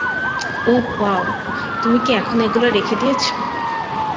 ওহ wow, তুমি কি এখনো এগুলো রেখে দিয়েছো?